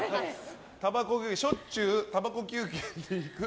しょっちゅうたばこ休憩に行く。